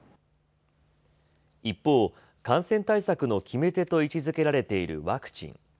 一方、感染対策の決め手と位置づけられているワクチン。